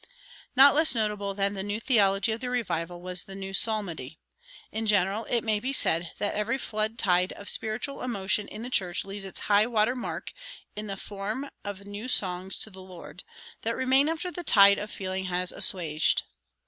Not less notable than the new theology of the revival was the new psalmody. In general it may be said that every flood tide of spiritual emotion in the church leaves its high water mark in the form of "new songs to the Lord" that remain after the tide of feeling has assuaged.